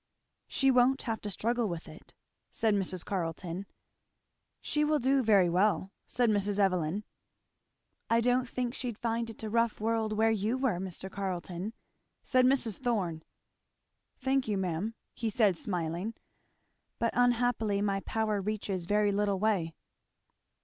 "She won't have to struggle with it," said Mrs. Carleton. "She will do very well," said Mrs. Evelyn. "I don't think she'd find it a rough world, where you were, Mr. Carleton," said Mrs. Thorn. "Thank you ma'am," he said smiling. "But unhappily my power reaches very little way."